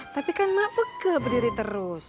tapi kan mak pekel berdiri terus